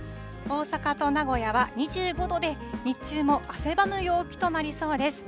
大阪と名古屋は２５度で、日中も汗ばむ陽気となりそうです。